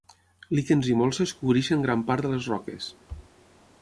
Líquens i molses cobreixen gran part de les roques.